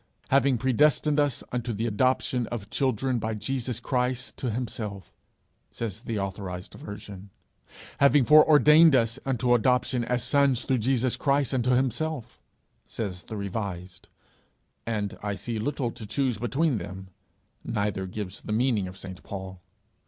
'Having predestinated us unto the adoption of children by Jesus Christ to himself,' says the authorized version; 'Having foreordained us unto adoption as sons through Jesus Christ unto himself,' says the revised and I see little to choose between them: neither gives the meaning of St. Paul.